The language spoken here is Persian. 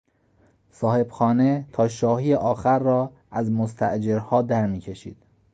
صاحبخانه تا شاهی آخر را از مستاجرها درمیکشید.